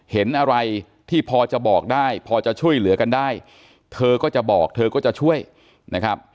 เห็นอะไรที่พอจะบอกได้พอจะช่วยเหลือกันได้เธอก็จะบอกเธอก็จะช่วยนะครับ